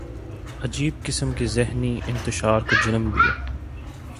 عجیب قسم کے ذہنی انتشار کو جنم دیا۔